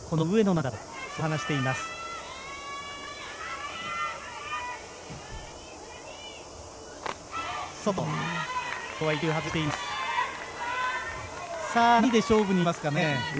何で勝負にいきますかね。